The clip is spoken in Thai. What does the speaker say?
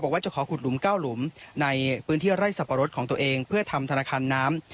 ว่าจะขอขุดหลุม๙หลุมในพื้นที่ไร่สับปะรดของตัวเองเพื่อทำธนาคารน้ำ